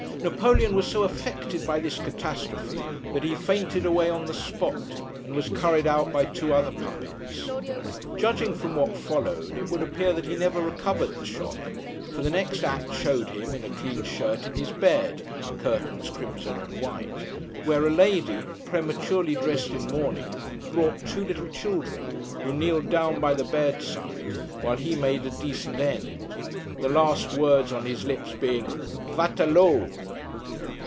Napoleon was so affected by this catastrophe, that he fainted away on the spot, and was carried out by two other puppets. Judging from what followed, it would appear that he never recovered the shock; for the next act showed him, in a clean shirt, in his bed (curtains crimson and white), where a lady, prematurely dressed in mourning, brought two little children, who kneeled down by the bedside, while he made a decent end; the last word on his lips being 'Vatterlo.